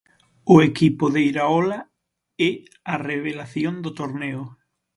O equipo de Iraola é a revelación do torneo.